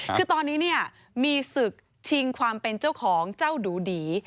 คือตอนนี้เนี่ยมีศึกชิงความเป็นเจ้าของเจ้าดูดี